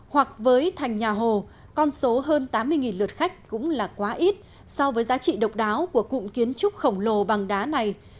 hoặc với thành nhà hồ con số hơn tám mươi lượt khách cũng là quá ít so với giá trị độc đáo của cụm kiến trúc khổng lồ bằng đá này